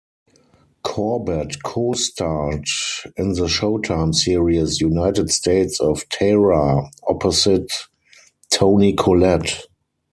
Corbett co-starred in the Showtime series "United States of Tara" opposite Toni Collette.